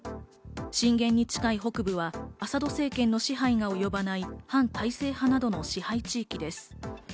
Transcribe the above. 震源に近い北部はアサド政権の支配が及ばない反体制派などの支配地域です。